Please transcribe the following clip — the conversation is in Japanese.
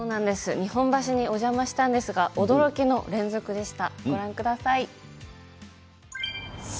日本橋にお邪魔したんですが驚きの連続でした。